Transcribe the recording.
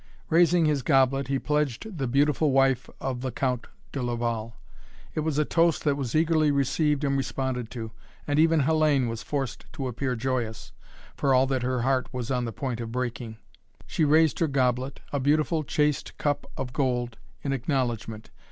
Raising his goblet he pledged the beautiful wife of the Count de Laval. It was a toast that was eagerly received and responded to, and even Hellayne was forced to appear joyous, for all that her heart was on the point of breaking. She raised her goblet, a beautiful chased cup of gold, in acknowledgment.